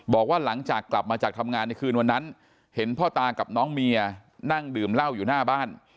บอกว่าหลังจากกลับมาจากทำงานในคืนวันนั้นเห็นพ่อตากับน้องเมียนั่งดื่มเหล้าอยู่หน้าบ้าน